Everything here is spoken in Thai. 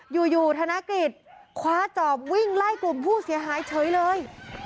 อยู่ธนกฤษคว้าจอบวิ่งไล่กลุ่มผู้เสียหายเฉยเลย